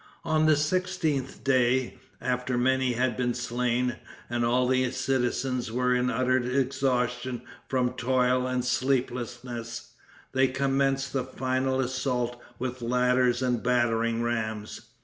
On the sixteenth day, after many had been slain and all the citizens were in utter exhaustion from toil and sleeplessness, they commenced the final assault with ladders and battering rams.